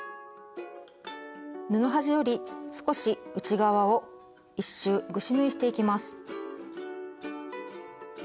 布端より少し内側を１周ぐし縫いしていきます。